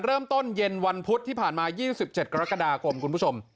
เริ่มต้นเย็นวันพุธที่ผ่านมา๒๗กรกฎาคมคุณผู้ชม